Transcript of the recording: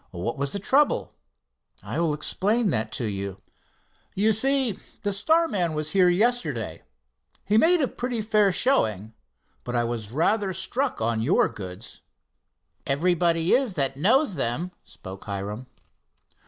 "What was the trouble?" "I will explain that to you." "You see, the Star man was here yesterday. He made a pretty fair showing, but I was rather struck on your goods." "Everybody is that knows them," spoke Hiram.